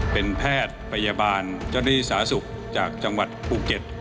เป็นแพทย์พยาบาลจริสาศุกร์จากจังหวัดปุเก็ต